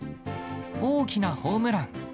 大きなホームラン。